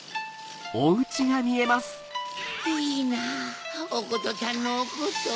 いいなおことちゃんのおこと。